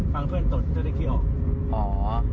ฟังเพื่อนตดก็ได้คลี่ออก